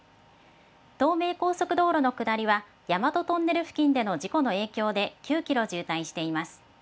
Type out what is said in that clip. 東名高速道路の下りは大和トンネル付近での事故の影響で９キロ渋滞しています。